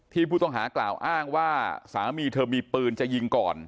ผู้ต้องหากล่าวอ้างว่าสามีเธอมีปืนจะยิงก่อน